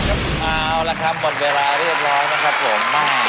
เอาละครับหมดเวลาเรียบร้อยนะครับผม